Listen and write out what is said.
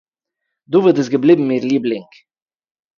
דוד איז געווען איר ליבלינג